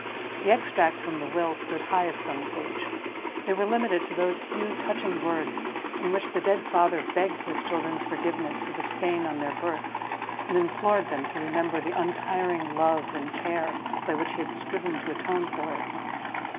The extracts from the will stood highest on the page; they were limited to those few touching words in which the dead father begged his children's forgiveness for the stain on their birth, and implored them to remember the untiring love and care by which he had striven to atone for it.